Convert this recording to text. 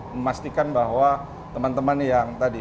memastikan bahwa teman teman yang tadi